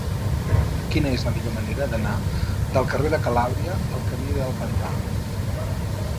Quina és la millor manera d'anar del carrer de Calàbria al camí del Pantà?